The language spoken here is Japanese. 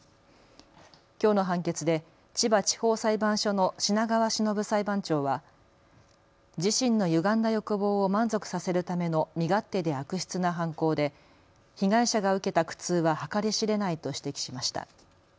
きょうの判決で千葉地方裁判所の品川しのぶ裁判長は自身のゆがんだ欲望を満足させるための身勝手で悪質な犯行で被害者が受けた苦痛は計り知れないと指摘しました。